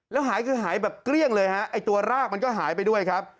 แล้วหายคือหายแบบเกลี้ยงเลยฮะไอ้ตัวรากมันก็หายไปด้วยครับ